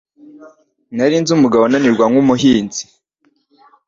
Nari nzi umugabo unanirwa nkumuhinzi